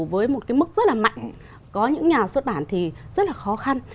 với một cái mức rất là mạnh có những nhà xuất bản thì rất là khó khăn